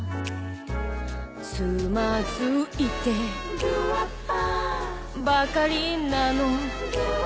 「つまずいてばっかりなの」